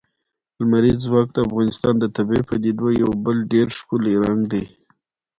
لمریز ځواک د افغانستان د طبیعي پدیدو یو بل ډېر ښکلی رنګ دی.